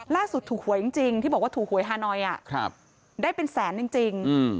ล่าสุดถูกหวยจริงที่บอกว่าถูกหวยฮานอยได้เป็นแสนจริง